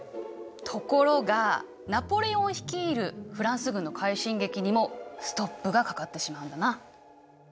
ところがナポレオン率いるフランス軍の快進撃にもストップがかかってしまうんだな。